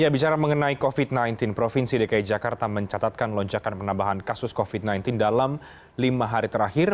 bicara mengenai covid sembilan belas provinsi dki jakarta mencatatkan lonjakan penambahan kasus covid sembilan belas dalam lima hari terakhir